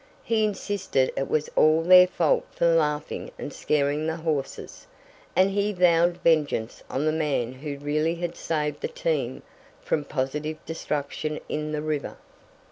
He insisted it was all their fault for laughing and scaring the horses, and he vowed vengeance on the man who really had saved the team from positive destruction in the river.